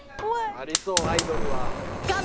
ありそうアイドルは。